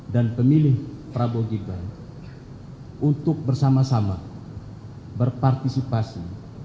dan pemilih prabowo gibran untuk bersama sama berpartisipasi